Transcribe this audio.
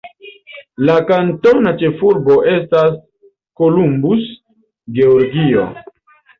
La kantona ĉefurbo estas Columbus, Georgio.